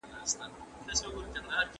دولت د نویو کارخونو جوړولو ته پاملرنه کوي.